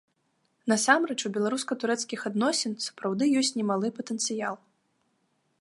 Насамрэч, у беларуска-турэцкіх адносін сапраўды ёсць немалы патэнцыял.